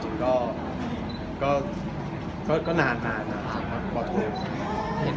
จริงก็นานนะครับปโภค